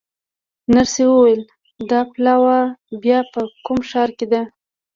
نرسې وویل: دا پلاوا بیا په کوم ښار کې ده؟